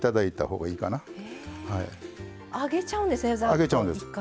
上げちゃうんですね